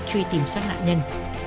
truy tìm sát nạn nhân